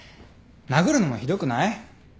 殴るのもひどくない？